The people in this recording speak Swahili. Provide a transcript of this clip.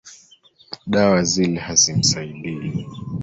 Dawa zile hazimsaidii